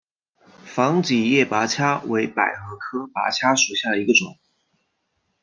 防己叶菝葜为百合科菝葜属下的一个种。